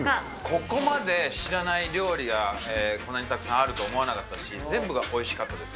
ここまで知らない料理がこんなにたくさんあると思わなかったし、全部がおいしかったです。